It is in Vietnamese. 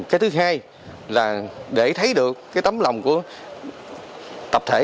cái thứ hai là để thấy được cái tấm lòng của tập thể